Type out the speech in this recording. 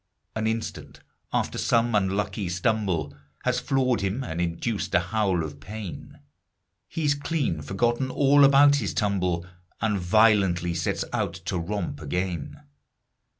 An instant after some unlucky stumble Has floored him and induced a howl of pain, He's clean forgotten all about his tumble And violently sets out to romp again.